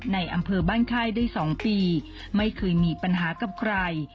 ในอำเภอบ้านค่ายได้๒ปีไม่เคยมีปัญหากับใคร